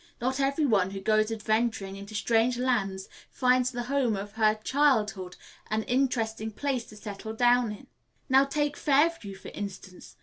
"Not every one who goes adventuring into strange lands finds the home of her chee ildhood an interesting place to settle down in. Now take Fairview, for instance.